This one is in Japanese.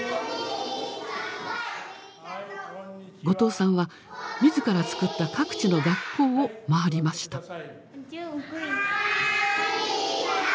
後藤さんは自らつくった各地の学校を回りました。